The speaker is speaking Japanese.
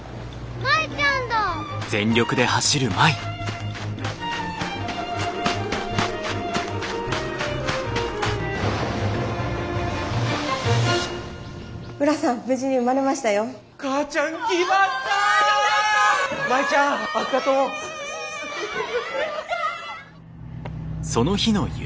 舞ちゃんあっがとう。